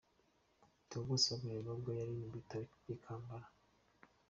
Theo Bosebabireba ubwo yari mu bitaro by'i Kampala.